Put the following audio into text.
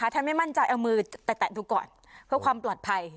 ท่านไม่มั่นใจเอามือแตะดูก่อนเพื่อความปลอดภัย